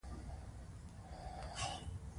رقیب زما د زړورتیا آزموینه ده